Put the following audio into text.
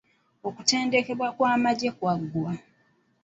Okutendekebwa kw'amagye kaggwa.